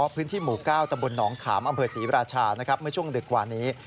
พื้นที่หมู่๙ตำบลหนองขามอำเภอศรีราชาเมื่อช่วงดึกกว่านี้